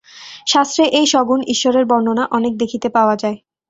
শাস্ত্রে এই সগুণ ঈশ্বরের বর্ণনা অনেক দেখিতে পাওয়া যায়।